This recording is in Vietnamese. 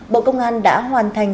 bộ công an đã hoàn thành